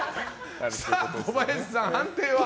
小林さん、判定は？